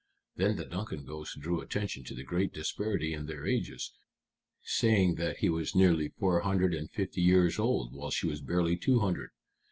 Then the Duncan ghost drew attention to the great disparity in their ages, saying that he was nearly four hundred and fifty years old, while she was barely two hundred.